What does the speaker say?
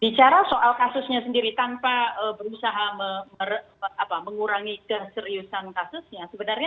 bicara soal kasusnya sendiri tanpa berusaha mengurangi keseriusan kasusnya sebenarnya